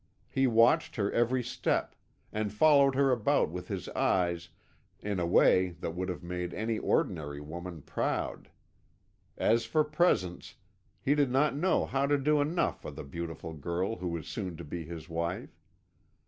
He watched her every step, and followed her about with his eyes in a way that would have made any ordinary woman proud. As for presents, he did not know how to do enough for the beautiful girl who was soon to be his wife.